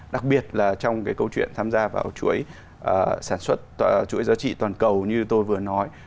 đặc biệt là trong cái câu chuyện tham gia vào chuỗi sản xuất chuỗi giá trị toàn cầu như tôi vừa nói